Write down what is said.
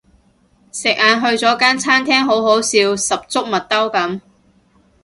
食晏去咗間餐廳好好笑十足麥兜噉